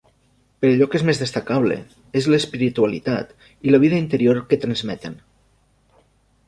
Però allò que és més destacable és l'espiritualitat i la vida interior que transmeten.